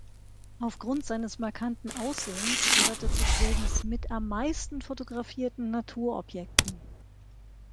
Aufgrund seines markanten Aussehens gehört er zu Schwedens mit am meisten fotografierten Natur-Objekten.